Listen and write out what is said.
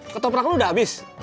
ketoprak lo udah abis